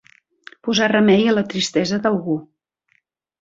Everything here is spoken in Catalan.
Posar remei a la tristesa d'algú.